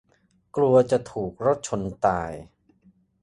กลัวจะถูกรถชนตาย